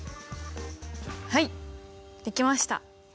はいできました！